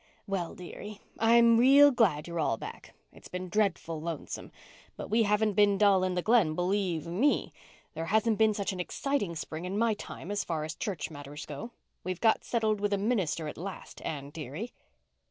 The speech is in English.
"Well, dearie, I'm real glad you're all back. I've been dreadful lonesome. But we haven't been dull in the Glen, believe me. There hasn't been such an exciting spring in my time, as far as church matters go. We've got settled with a minister at last, Anne dearie."